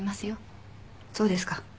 そうですか。